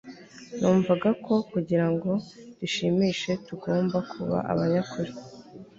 numvaga ko kugirango dushimishe tugomba kuba abanyakuri